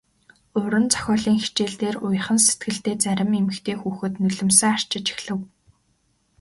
Уран зохиолын хичээл дээр уяхан сэтгэлтэй зарим эмэгтэй хүүхэд нулимсаа арчиж эхлэв.